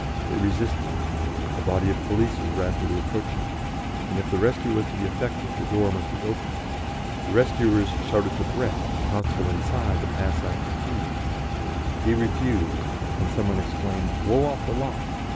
It resisted; a body of police was rapidly approaching, and if the rescue was to be effective the door must be opened. The rescuers shouted to Brett, the constable inside, to pass out his keys; he refused, and some one exclaimed, "Blow off the lock!"